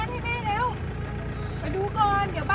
กินข้าวขอบคุณครับ